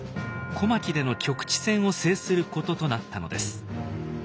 小牧での局地戦を制することとなったのです。